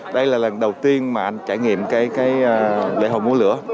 đây là lần đầu tiên mà anh trải nghiệm cái lễ hội múa lửa